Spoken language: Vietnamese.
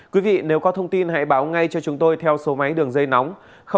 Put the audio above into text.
quý vị nếu có thông tin hãy báo ngay cho chúng tôi theo số máy đường dây nóng